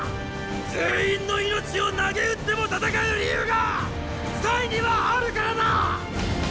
全員の命をなげうっても戦う理由がにはあるからだ！